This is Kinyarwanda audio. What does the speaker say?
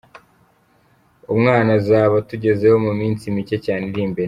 Umwana azaba atugezeho mu minsi mike cyane iri imbere.